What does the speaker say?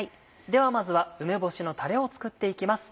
ではまずは梅干しのタレを作って行きます。